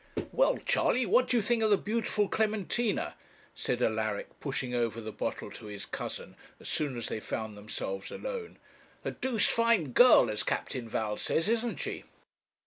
'Well, Charley, what do you think of the beautiful Clementina?' said Alaric, pushing over the bottle to his cousin, as soon as they found themselves alone. 'A 'doosed' fine girl, as Captain Val says, isn't she?'